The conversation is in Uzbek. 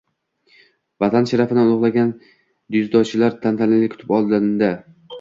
Vatan sharafini ulug‘lagan dzyudochilar tantanali kutib olinding